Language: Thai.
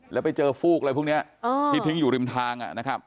แล้วไปเจอฟูกอะไรพวกนี้ที่ทิ้งอยู่ริมทางนะครับ